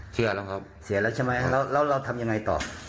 เชื่อแล้วครับเสียแล้วใช่ไหมแล้วเราทำยังไงต่อ